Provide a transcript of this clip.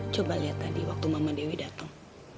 coba liat tadi waktu mama dewi dateng